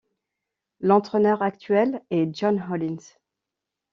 L'entraîneur actuel est John Hollins.